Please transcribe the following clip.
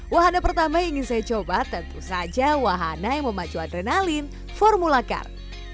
wahana pertama yang ingin saya coba tentu saja wahana yang memacu adrenalin formula car